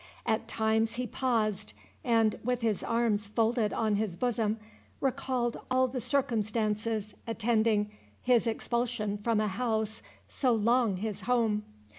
At times he paused, and, with his arms folded on his bosom, recalled all the circumstances attending his expulsion from a house so long his home.